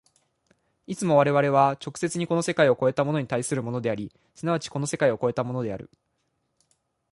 いつも我々は直接にこの世界を越えたものに対するものであり、即ちこの世界を越えたものである。